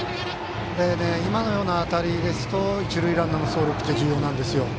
今のような当たりですと一塁ランナーの走力が重要なんですよ。